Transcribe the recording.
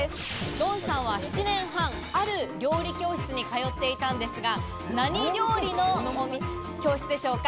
ドンさんは７年半、ある料理教室に通っていたんですが、何料理の教室でしょうか。